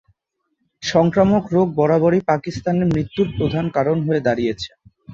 সংক্রামক রোগ বরাবরই পাকিস্তানে মৃত্যুর প্রধান কারণ হয়ে দাঁড়িয়েছে।